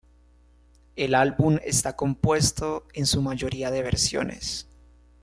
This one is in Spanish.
El álbum está compuesto en su mayoría de versiones.